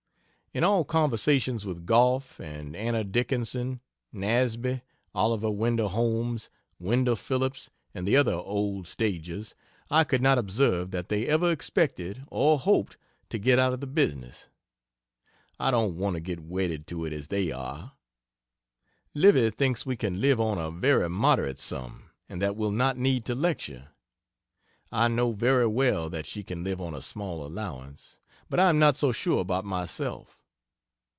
In all conversations with Gough, and Anna Dickinson, Nasby, Oliver Wendell Holmes, Wendell Phillips and the other old stagers, I could not observe that they ever expected or hoped to get out of the business. I don't want to get wedded to it as they are. Livy thinks we can live on a very moderate sum and that we'll not need to lecture. I know very well that she can live on a small allowance, but I am not so sure about myself.